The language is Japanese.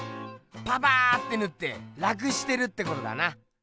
パパーッてぬって楽してるってことだな！